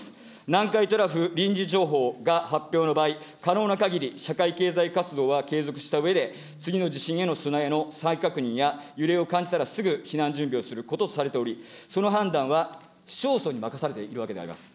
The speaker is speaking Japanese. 南海トラフ臨時情報が発表の場合、可能なかぎり、社会経済活動は継続したうえで、次の地震への備えの再確認や、揺れを感じたらすぐ避難準備をすることとされており、その判断は市町村に任されているわけであります。